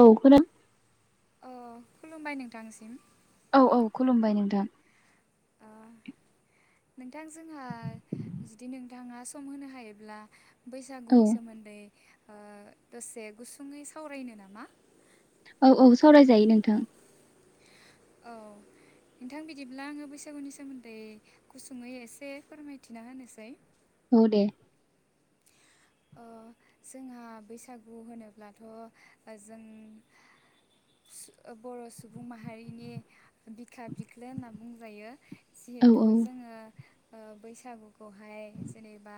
औ खोना अ' खुलुमबाय नोंथांनिसिम। औ औ खुलुमबाय नोंथां। ओ नोंथां जोंहा जुदि नोंथाङा सम होनो हायोब्ला औ बैसागुनि सोमोन्दै ओ दसे गुसुङै सावरायनो नामा? औ औ सावरायजायो नोंथां। औ। नोंथां बिदिब्ला आङो बैसागुनि सोमोन्दै गुसुङै एसे फोरमायथिना होनोसै। औ दे। अ जोंहा बैसागु होनोब्लाथ' ओ जों बर' सुबुं माहारिनि बिखा बिख्लो होनना बुंजायो। औ जिहेथु औ जोङो ओ बैसागुखौहाय जेनेबा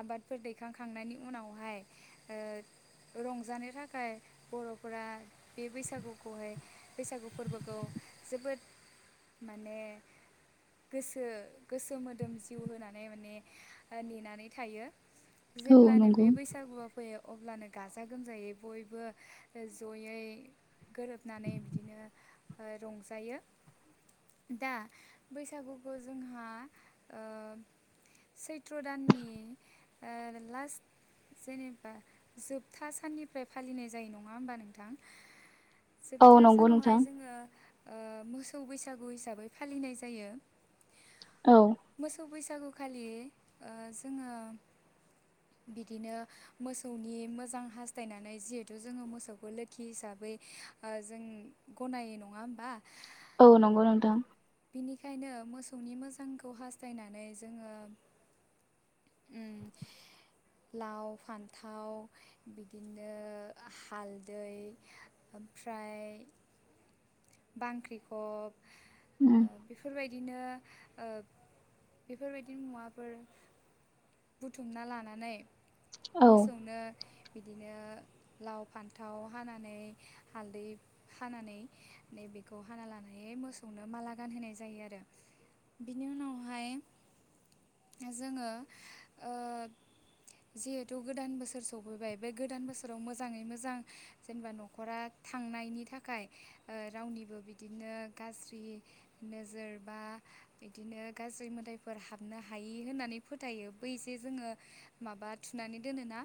आबादफोर दैखांखांनायनि उनावहाय ओ रंजानो थाखाय बर'फोरा बे बै सागुखौहाय बैसागु फोरबोखौ जोबोद माने गोसो गोसो मोदोम जिउ होनानै माने ओ नेनानै थायो। औ जेब्लानो नंगौ। बे बै सागुआ फैयो। अब्लानो गाजा गोमजायै बयबो जयै गोरोबनानै बिदिनो ओ रंजायो। दा बैसागुखौ जोंहा ओ सैथ्र' दाननि ओ लास्ट जेनेबा जोबथा साननिफ्राय फालिनाय जायो नङा होमबा नोंथां? औ जोबथा नंगौ सानावहाय नोंथां जोङो ओ मोसौ बैसागु हिसाबै फालिनाय जायो। औ। मोसौ बैसागु खालि ओ जोङो बिदिनो मोसौनि मोजां हास्थायनानै जिहेथु जोङो मोसौखौ लोखि हिसाबै ओ जों गनायो नङा होमबा? औ नंगौ नोंथां। बिनिखायनो मोसौनि मोजांखौ हास्थायनानै जोङो उम लाव, फान्थाव, बिदिनो हालदै ओमफ्राय बांख्रिखब उम ओ‌ बेफोरबाय दिनो ओ बेफोरबायदि मुवाफोर बुथुमना लानानै औ मोसौनो बिदिनो लाव, फान्थाव हानानै हालदै हानानै नैबेखौ हाना लानानै मोसौनो माला गानहोनाय जायो। आरो बिनि उनावहाय जोङो ओ जिहेथु गोदान बोसोर सफैबाय बे गोदान बोसोराव मोजाङै मोजां जेनेबा न'खरा थांनायनि थाखाय ओ रावनिबो बिदिनो गाज्रि नोजोर बा बिदिनो गाज्रि मोदायफोर हाबनो हायि होननानै फोथायो। बै जे जोङो माबा थुनानै दोनोना?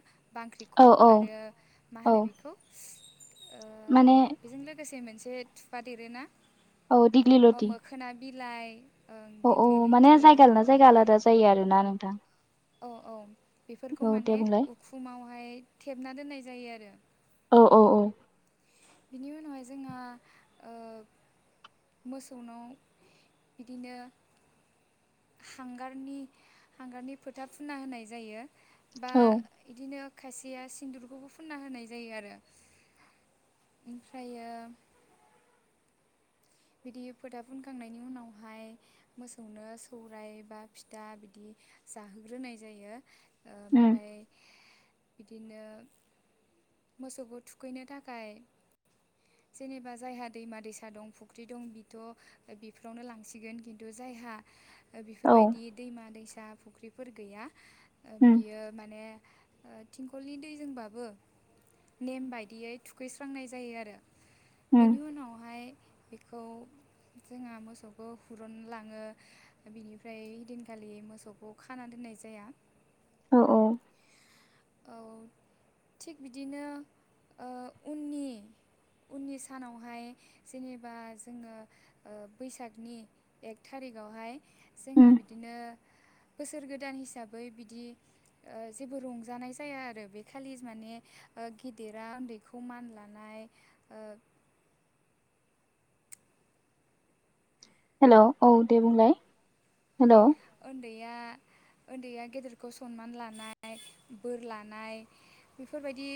औ बांख्रिखब औ आरो मा औ होनो बेखौ? ओ माने बेजों लोगोसे मोन से थुफा देरो ना? औ दिगलि ल'टि। खोना बिलाइ ओं अ औ दिग्लि माने लिथि जायगा लाना जायगा आलादा जायो आरोना नोंथां। अ औ बेफोरखौ औ दे माने बुंलाय उखुमावहाय थेबना दोननाय जायो आरो। औ औ औ। बिनि उनावहाय जोंहा ओ मोसौनाव इदिनो हांगारनि हांगारनि फोथा फुना होनाय जायो बा औ इदिनो खायसेया सिन्दुरखौबो फुनना होनाय जायो आरो। ओमफ्रायो बिदि फोथा फुनखांनायनि उनावहाय मोसौनो सौराय बा फिथा बिदि जाहोग्रोनाय जायो। ओ उम ओमफाय इदिनो मोसौबो थुखैनो थाखाय जेनेबा जायहा दैमा दैसा दं फुख्रि दं बिथ' बेफोरावनो लांसिगोन। खिन्थु जायहा ओ औ बेफोरबायदि दैमा दैसा फुख्रिफोर गैया ओ उम बियो माने ओ थिंखलनि दैजोंबाबो नेम बायदियै थुखैस्रांनाय जायो आरो उम बेनि उनावहाय बेखौ जोंहा मोसौखौ हुरुनलाङो बिनिफ्राय हैदिनखालि मोसौखौ खाना दोननाय जाया औ औ। औ। थिग बिदिनो ओ उननि उननि सानावहाय जेनेबा जोङो ओ बैसागनि एक थारिखावहाय उम जोंहा बिदिनो बोसोर गोदान हिसाबै बिदि ओ जेबो रंजानाय जाया आरो बे खालि माने ओ गेदेरा उन्दैखौ मान लानाय ओ हेल' औ दे बुंलाय? हेल' ने औ ओन्दैया ओन्दैया गेदेरखौ सनमान लानाय बोर लानाय बेफोरबायदि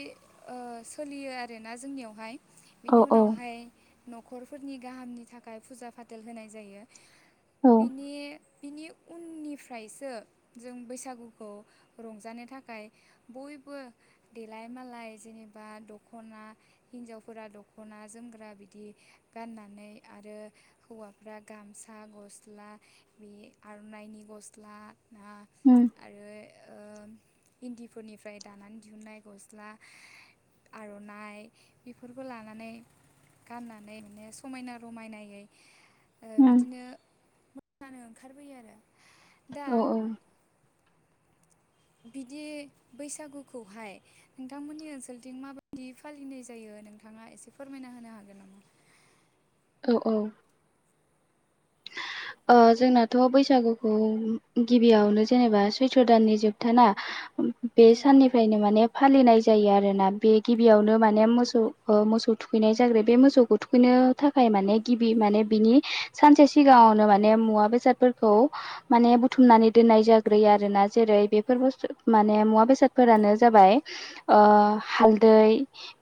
ओ सोलियो आरोना जोंनियावहाय औ बेनि औ उनावहाय न'खरफोरनि गाहामनि थाखाय फुजा फाथेल होनाय जायो उम बिनि बिनि उननिफ्रायसो जों बैसागुखौ रंजानो थाखाय बयबो देलाय मालाय जेनेबा दख'ना हिन्जावफोरा दख'ना जोमग्रा बिदि गाननानै आरो हौवाफ्रा गामसा गस्ला बे आर'नाइनि गस्ला ना आरो उम इन्दिफोरनिफ्राय दानानै दिहुन्नाय गस्ला आर'नाइ बेफोरखौ लानानै गाननानै माने समायना रमायनायै ओ उम बिदिनो नानो ओंखारबोयो आरो दा औ औ। बिदि बैसागुखौहाय नोंथांमोननि ओनसोलथिं माबायदि फालिनाय जायो नोंथाङा एसे फोरमायना होनो हागोन नामा? औ औ। ओ जोंनाथ' बैसागुखौ गिबियावनो जेनेबा सैथ्र' दाननि जोबथाना? [inaudible] बे साननिफ्रायनो माने फालिनाय जायो आरोना बे गिबियावनो माने मोसौ ओ मोसौ थुखैनाय जाग्रोयो बे मोसौखौ थु थुखैनो थाखाय माने गिबि माने बिनि सानसे सिगाङावनो माने माने मुवा बेसादफोरखौ माने बुथुमनानै दोन्नाय जाग्रोयो आरोना जेरै बेफोर बुस्थु माने मुवा बेसादफोरानो जाबाय ओ हालदै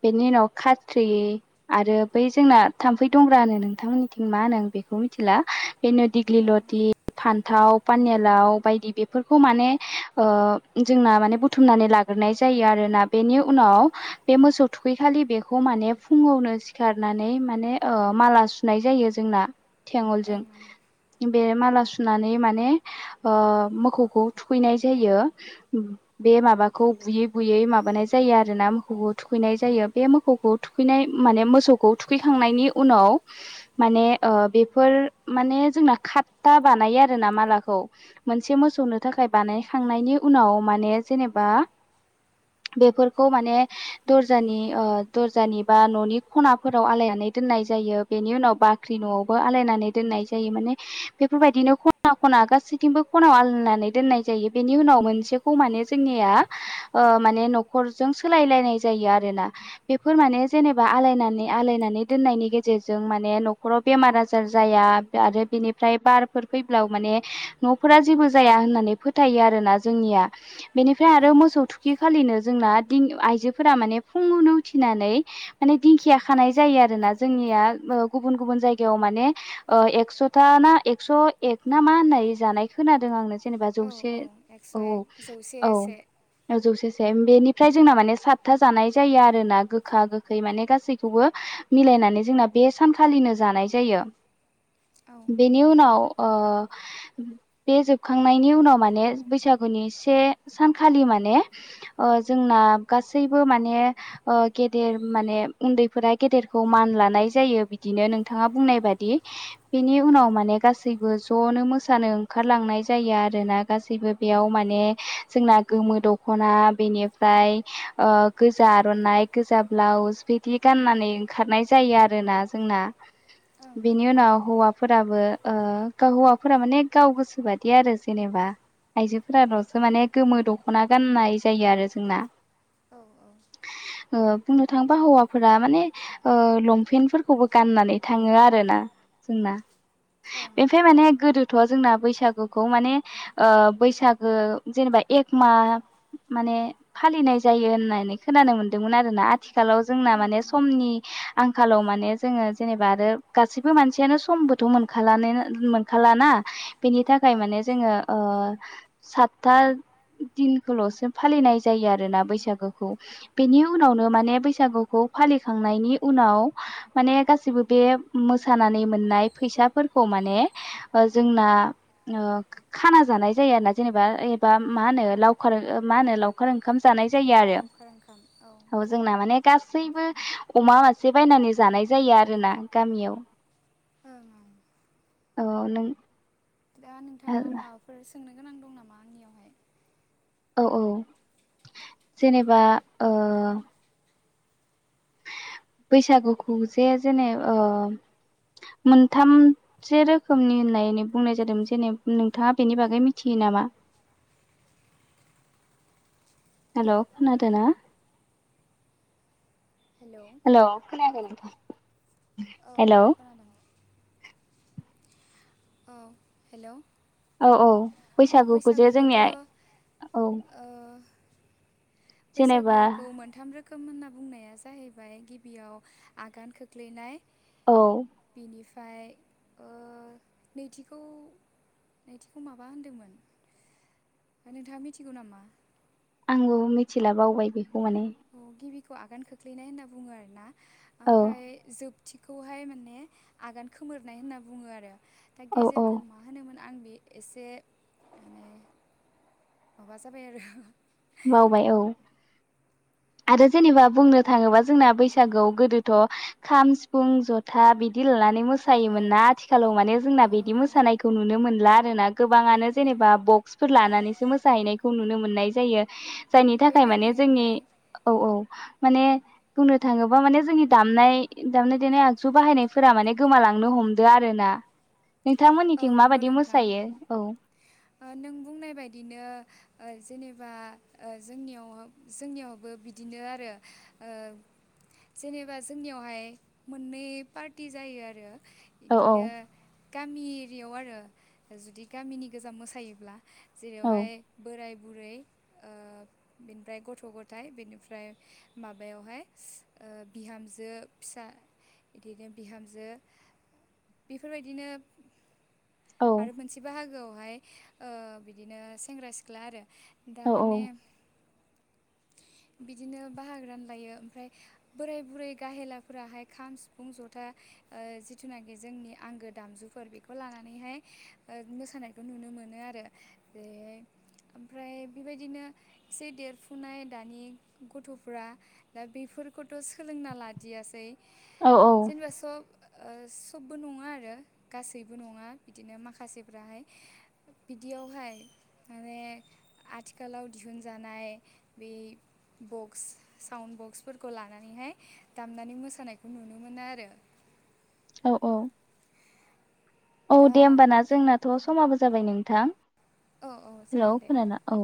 बेनि उनाव खाथ्रि आरो बै जोंना थाम्फै दंग्रा होनो नोंथांमोन्निथिं मा होनो आं बेखौ मिथिला बेनो दिग्लि औ ओं लथि फान्थाव पानेलाव बायदि बेफोरखौ माने ओ जोंना माने बुथुमनानै लाग्रोनाय जायो आरोना बेनि उनाव बे मोसौ थुखैखालि बेखौ माने फुङावनो सिखारनानै माने ओ माला नाय जायो जोंना थेंगलजों बे माला सुनानै माने ओ मोखौखौ थुखैनाय जायो [inaudible] बे माबाखौ बुयै बुयै माबानाय जायो आरो ना मोखौखौ थुखैनाय जायो बे मोखौखौ थुखैनाय माने मोसौखौ थुखैखांनायनि उनाव माने ओ बेफोर माने जोंना खात्ता बानायो आरोना मालाखौ मोनसे मोसौनो थाखाय बानायखांनायनि उनाव माने जेनेबा बेफोरखौ माने दर्जानि ओ दर्जानि बा न'नि खनाफोराव आलायनानै दोन्नाय जायो। बेनि उनाव बाख्रि न'आवबो आलायनानै दोन्नाय जायो माने बेफोरबायदिनो खना खना गासैथिंबो खनायाव आलनानै दोन्नाय जायो बेनि उनाव मोनसे खौ माने जोंनिया माने ओ न'खरजों सोलायलायनाय जायो आरोना बेफोर माने जेनेबा आलायनानै आलायनानै दोननायनि गेजेरजों माने न'खराव बेमार आजार जाया आरो बेनिफ्राय बारफोर फैब्ला माने न'फोरा जेबो जाया होन्नानै फोथायो आरोना जोंनिया बेनिफ्राय आरो ओं मोसौ थु बिखालिनो जोंना दि आइजोफोरा माने फुङावनो उथिनानै माने दिंखिया खानाय जायो आरो ना जोंनिया ओ गुबुन गुबुन जायगायाव माने ओ एकस'था ना एकस' एक ना मा होन्नाय जानाय खोनादों आं नोसोर जेनेबा औ जौसे एक्स' औ एक जौसे से औ जौसेसे बेनिफ्राय जोंना माने सातथा जानाय जायो आरोना गोखा गोखै माने गासैखौबो मिलायनानै जोंना बे सानखालिनो जानाय जायो। औ बेनि उनाव ओ बे जोबखांनायनि उनाव माने बैसागुनि से सानखालि माने ओ जोंना गासैबो माने ओ गेदेर माने उन्दैफोरा गेदेरखौ मान लानाय जायो बिदिनो नोंथाङा बुंनाय बादि [inaudible] बेनि उनाव माने गासैबो ज'नो मोसानो ओंखारलांनाय जायो आरोना गासैबो बेयाव माने जोंना गोमो दख'ना बेनिफ्राय ओ गोजा आर'नाइ गोजा ब्लाउस बिदि गान्नानै ओंखारनाय जायो आरोना जोंना ओं बेनि नंगौ उनाव नोंथां हौवाफोराबो ओ हौवाफोरा माने गाव गोसो बायदि आरो जेनेबा आइजोफोराल'सो माने गोमो दख'ना गान्नाय जायो आरो जोंना औ औ ओ बुंनो थाङोबा हौवाफोरा माने ओ लंपेन्ट फोरफोरखौबो गान्नानै थाङो आरो ना जोंना ओं बेनिफ्राय माने गोदो थ' जोंना बैसागुखौ माने ओ बैसागो जेनेबा एक मा माने फालिनाय जायो होन्नानै खोनानो मोन्दोंमोन आरोना आथिखालाव जोंना उम माने उम समनि आंखालाव माने जोङो जेनेबा आरो गासैबो बो मानसियानो समबोथ' मोनखालनो मोनखालाना बेनि थाखाय औ माने जोङो ओ सातथा दिनखौल'सो फालिनाय जायो आरोना बैसागोखौ बेनि उनावनो माने बैसागुखौ फालिखांनायनि उनाव माने गासिबो बे मोसानानै मोननाय फैसाफोरखौ माने ओ जोंना ओ खाना जानाय जायो आरो ना जेनेबा एबा मा होनो लावखार मा होनो लावखार खार ओंखाम जानाय जायो लावखार ओंखाम औ ओं आरो जोंना माने गासैबो अमा मासे बायनानै जानाय जायो आरो ना गामियाव। ओं ओं। औ नों दा नोंथाङा माबाफोर सोंनो गोनां दं नामा आंनियावहाय? औ औ जेनेबा ओ बैसागुखौ जे जेने ओ मोनथाम से रोखोमनि होननायनै बुंनाय जादों जेने नोंथाङा बेनि बागै मिथियो नामा? हेल' खोनादोंना? हेलौ हेलौ खोनायाखैमोन औ औ खोनादों। अ। हेलौ! औ औ बैसागुखौ जे जोंनिया, औ। ओ जेनेबा बैसागुखौ मोनथाम रो खोम होनना बुंनाया जाहैबाय गिबियाव आगान खोख्लैनाय औ। बिनिफ्राय ओ नैथिखौ नैथिखौ माबा होनदोंमोन। नोंथाङा मिथिगौ नामा? आंबो मिथिला बावबाय बेखौ माने। औ गिबिखौ आगान खोख्लैनाय होनना बुङो आरोना। औ ओमफ्राय जोब थिखौहाय माने आगान खोमोरनाय होनना बुङो आरो। दा औ औ गेजेरखौ मा होनोमोन आं बे एसे माने माबा जाबाय आरो बावबाय औ। आरो जेनेबा बुंनो थाङोबा जोंना बैसागुआव गोदोथ' खाम, सिफुं, जथा बिदि दि लानानै औ मोसायोमोन ना आथि खालाव माने औ जोंना बिदि मोसानायखौ नुनो मोनला आरोना। औ गोबाङानो औ जेनेबा बक्स फोर लानानैसो मोसाहैनायखौ नुनो मोननाय जायो औ जायनि बे थाखाय माने जोंनि‌ बेलायावहाय औ औ माने बुंनो थाङोबा माने जोंनि दामनाय दामनाय देनाय आग जु बाहायनायफोरा माने गोमालांनो हमदो आरोना। औ नोंथांमोननिथिं नंगौ माबायदि नोंथां मोसायो? औ। ओ नों बुंनाय बायदिनो ओ जेनेबा ओ जोंनियाव जोंनियावबो बिदिनो आरो। ओ जेनेबा जोंनियावहाय मोननै पार्टि जायो आरो औ औ बिदिनो गामि एरियायाव आरो जुदि गामिनि गोजा मोसायोब्ला औ जेरावहाय बोराय बुरै ओ बेनिफ्राय गथ' गथाइ बिनिफ्राय माबायावहाय ओ बिहामजो फिसा इदिनो बिहामजो बेफोरबायदिनो औ आरो मोनसे बाहागोआवहाय ओ बिदिनो सेंग्रा सिख्ला आरो। दा औ माने बिदिनो बाहागो रानलायो। ओमफ्राय बोराय बुरै गाहेलाफोराहाय खाम, सिफुं, जथा ओ जिथुनाखि जोंनि आंगो दामजुफोर बे खौ लानानैहाय ओ मोसानायखौ नुनो मोनो आरो। जे ओमफ्राय बेबायदिनो एसे देरफुनाय दानि गथ'फ्रा दा बेफोरखौथ सोलोंना लादियासै औ औ जेनेबा सब ओ सबबो नंङा आरो गासैबो नंङा बिदिनो माख खासेफ्राहाय बिदियावहाय माने आथिखालाव दिहुनजानाय बे बक्स साउन्ड बक्सफोरखौ लानानैहाय दामनानै मोसानायखौ नुनो मोनो आरो। औ औ औ दा दे होमबाना जोंनाथ समाबो जाबाय नोंथां औ औ हेल जागोन दे खोनाना औ